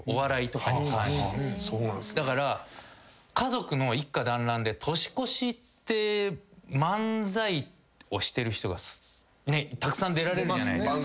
だから家族の一家だんらんで年越しって漫才をしてる人がたくさん出られるじゃないですか。